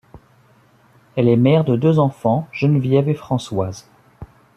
Elle est mère de deux enfants, Geneviève et Françoise.